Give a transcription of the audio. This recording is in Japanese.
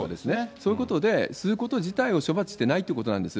そういうことで、吸うこと自体を処罰していないということなんです。